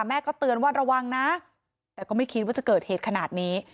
แม่ก็เตือนว่าระวังนะแต่ก็ไม่คิดว่าจะเกิดเหตุขนาดนี้